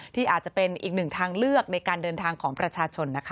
ที่อาจจะเป็นอีกหนึ่งทางเลือกในการเดินทางของประชาชนนะคะ